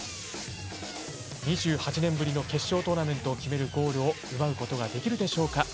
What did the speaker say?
２８年ぶりの決勝トーナメントを決めるゴールを奪うことができるでしょうか。